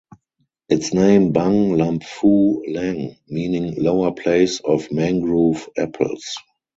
Its name "Bang Lamphu Lang" meaning "lower place of mangrove apples".